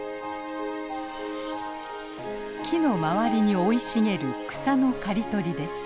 木の周りに生い茂る草の刈り取りです。